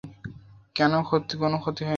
কোনো ক্ষতি হয়নি।